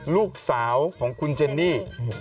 ลูกสาวของคุณเจนนี่